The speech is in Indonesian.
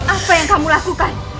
apa yang kamu lakukan